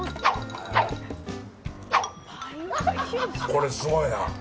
これ、すごいな。